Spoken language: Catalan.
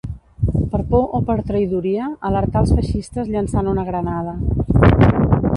Per por o per traïdoria, alertà els feixistes llançant una granada